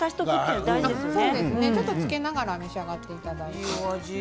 ちょっと、つけながら召し上がっていただいて。